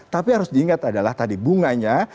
tapi harus diingat adalah tadi bunganya